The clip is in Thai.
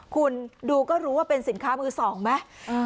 คุณดูก็รู้ว่าเป็นสินค้ามือสองไหม